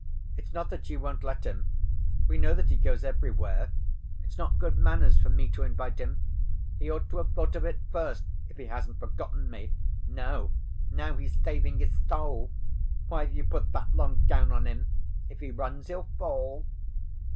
It's not that you won't let him. We know that he goes everywhere. It's not good manners for me to invite him. He ought to have thought of it first, if he hasn't forgotten me. No, now he's saving his soul! Why have you put that long gown on him? If he runs he'll fall."